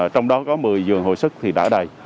trong đó có một mươi giường hồi sức thì đã đầy